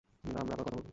আমরা আবার কথা বলব।